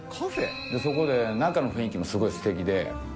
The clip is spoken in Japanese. そこ中の雰囲気もすごいステキで。